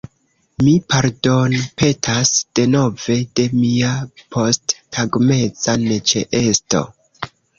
Mi pardonpetas, denove, de mia posttagmeza neĉeesto.